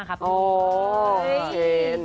โอ้เชน